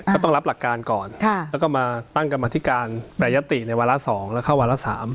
ก็ต้องรับหลักการก่อนแล้วก็มาตั้งกรรมธิการแปรยติในวาระ๒แล้วเข้าวาระ๓